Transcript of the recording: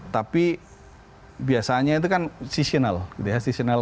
tapi biasanya itu kan seasonal gitu ya seasonal